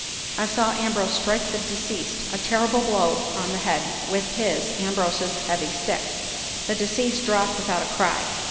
I saw Ambrose strike the deceased a terrible blow on the head with his (Ambrose's) heavy stick. The deceased dropped without a cry.